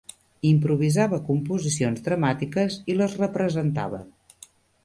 Improvisava composicions dramatiques i les representava